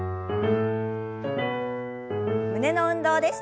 胸の運動です。